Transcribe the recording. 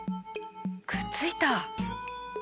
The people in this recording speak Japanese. くっついた！